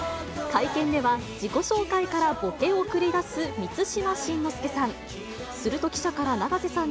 会見では自己紹介からボケを繰り出す満島真之介さん。